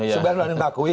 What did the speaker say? sebagian lain yang diakui